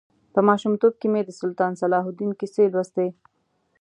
په ماشومتوب کې مې د سلطان صلاح الدین کیسې لوستې.